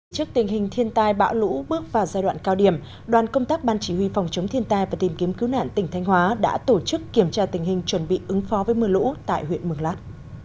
trước tình hình thiên tai bão lũ bước vào giai đoạn cao điểm đoàn công tác ban chỉ huy phòng chống thiên tai và tìm kiếm cứu nạn tỉnh thanh hóa đã tổ chức kiểm tra tình hình chuẩn bị ứng phó với mưa lũ tại huyện mường lát